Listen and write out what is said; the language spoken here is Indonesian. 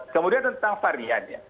kemudian tentang variannya